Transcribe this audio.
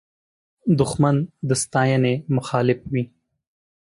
دښمن د ستاینې مخالف وي